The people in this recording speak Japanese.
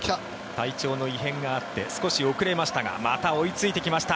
体調の異変があって少し遅れましたがまた追いついてきました。